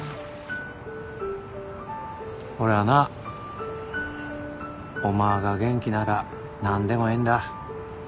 俺はなお前が元気なら何でもええんだ。